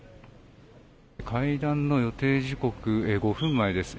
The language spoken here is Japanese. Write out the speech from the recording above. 会談の予定時刻５分前です。